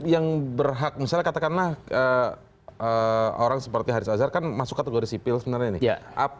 jadi yang berhak misalnya katakanlah orang seperti haris azhar kan masuk kategori sipil sebenarnya nih